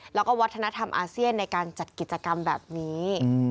แล้วก็วัฒนธรรมอาเซียนในการจัดกิจกรรมแบบนี้